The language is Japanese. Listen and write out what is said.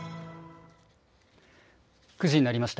９時になりました。